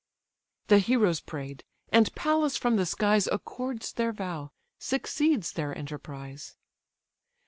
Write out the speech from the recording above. The heroes pray'd, and Pallas from the skies Accords their vow, succeeds their enterprise.